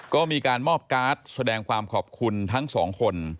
ก็มีการมอบการ์ดแสดงความขอบคุณทั้งสองคน